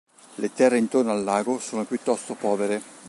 Le terre intorno al lago sono piuttosto povere.